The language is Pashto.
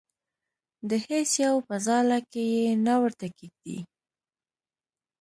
د هیڅ یو په ځاله کې یې نه ورته کېږدي.